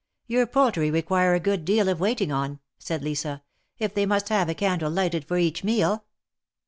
Your poultry require a good deal of waiting on," said Lisa, if they must have a candle lighted for each meal."